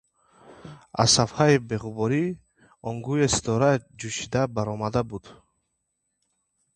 Аз сафҳаи беғубори он гӯё ситора ҷӯшида баромада буд.